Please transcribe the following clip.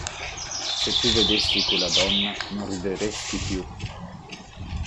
Se tu vedessi quella donna non rideresti più.